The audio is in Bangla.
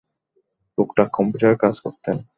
টুকটাক কম্পিউটারের কাজ করতেন।